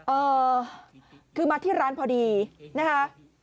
เออคือมาที่ร้านพอดีนะคะ